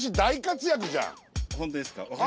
本当ですか？